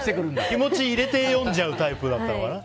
気持ち入れて読んじゃうタイプだったのかな。